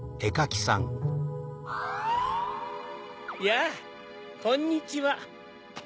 やぁこんにちは。